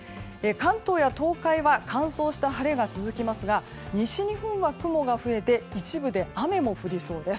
関東や東海は乾燥した晴れが続きますが西日本は雲が増えて一部で雨も降りそうです。